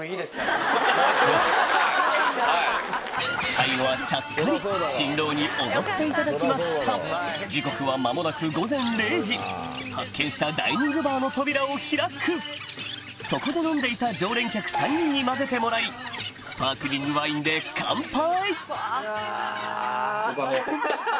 最後はちゃっかり新郎におごっていただきました時刻は間もなく午前０時発見したダイニングバーの扉を開くそこで飲んでいた常連客３人に交ぜてもらいスパークリングワインで乾杯